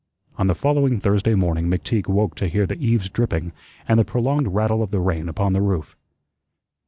On the following Thursday morning McTeague woke to hear the eaves dripping and the prolonged rattle of the rain upon the roof.